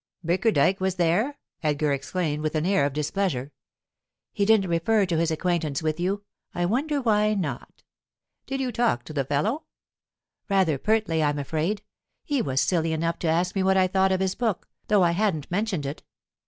"Bickerdike was there?" Elgar exclaimed, with an air of displeasure. "He didn't refer to his acquaintance with you. I wonder why not?" "Did you talk to the fellow?" "Rather pertly, I'm afraid. He was silly enough to ask me what I thought of his book, though I hadn't mentioned it.